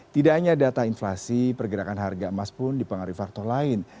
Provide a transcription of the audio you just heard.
tidak hanya data inflasi pergerakan harga emas pun dipengaruhi faktor lain